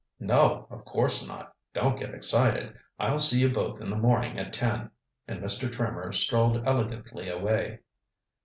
"No, of course not. Don't get excited. I'll see you both in the morning at ten." And Mr. Trimmer strolled elegantly away.